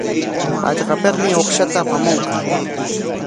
Hallqapikmi uqshata apamunqa.